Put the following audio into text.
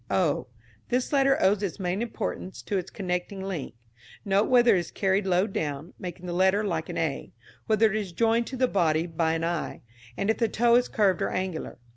o. This letter owes its main importance to its connecting link. Note whether it is carried low down, making the letter like an a, whether it is joined to the body by an eye, and if the toe is curved or angular.